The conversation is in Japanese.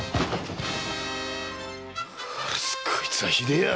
こいつはひでえや！